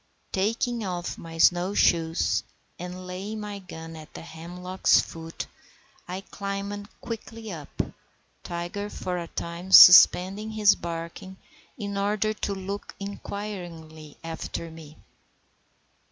Taking off my snow shoes, and laying my gun at the hemlock's foot, I climbed quickly up, Tiger for a time suspending his barking in order to look inquiringly after me.